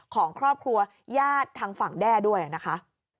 ของครอบครัวญาติทางฝั่งแด้ด้วยนะคะ